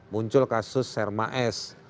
muncul kasus sherma s